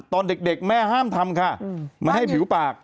ตอนเด็กแม่ห้ามทำค่ะไม่ให้ผิวปาก